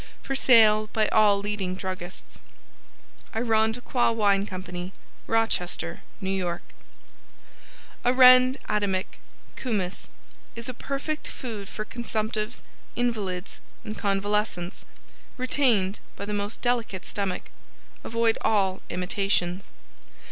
FOR SALE BY ALL LEADING DRUGGISTS Irondequoit Wine Company Rochester, N. Y. Arend Adamick Kumyss Is a perfect food for Consumptives, Invalids and Convalescents, retained by the most delicate stomach. Avoid all imitations.